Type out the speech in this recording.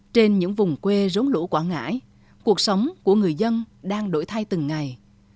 trên những vùng quê rốn lũ quảng ngãi cuộc sống của người dân đang đổi thay từng ngày